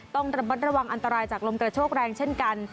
ต้องระมัดระวังอันตรายจากลมกระโชกแรงเช่นกัน